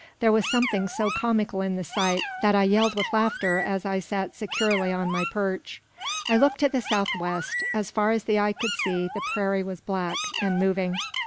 There was something so comical in the sight that I yelled with laughter as I sat securely on my perch. I looked to the south west. As far as the eye could see, the prairie was black, and moving.